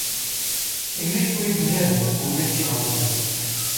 English پوری دنیا میں مقبولیت کی حامل ہے